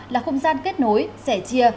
là không gian kết nối sẻ chia